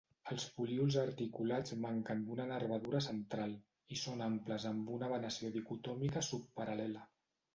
Els folíols articulats manquen d'una nervadura central, i són amples amb una venació dicotòmica subparal·lela.